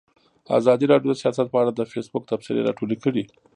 ازادي راډیو د سیاست په اړه د فیسبوک تبصرې راټولې کړي.